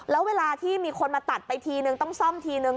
แล้วเวลาที่มีคนมาตัดไปทีนึงต้องซ่อมทีนึง